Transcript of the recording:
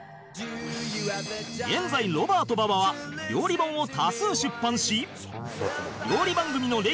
現在ロバート馬場は料理本を多数出版し